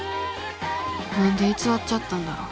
何で偽っちゃったんだろう。